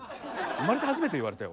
生まれて初めて言われたよ